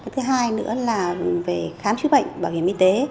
thứ hai nữa là về khám chữa bệnh bảo hiểm y tế